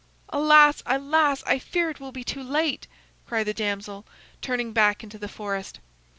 "Alas, alas, I fear it will be too late," cried the damsel, turning back into the forest.